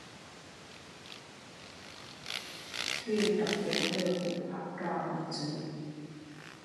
Thuyền cập bến Thừa Phủ, học trò bước xuống